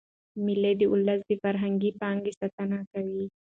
مېلې د اولس د فرهنګي پانګي ساتنه کوي.